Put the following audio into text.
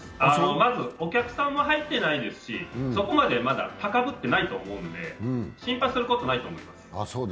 まず、お客さんも入っていないですし、そこまでまだ高ぶっていないですし心配することないと思います。